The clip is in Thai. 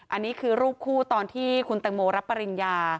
อันนี้คือรูปคู่ตอนที่คุณแตงโมรับปริญญา